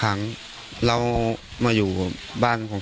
การแก้เคล็ดบางอย่างแค่นั้นเอง